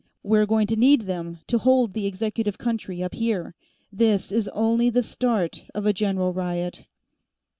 We're going to need them to hold the executive country, up here. This is only the start of a general riot."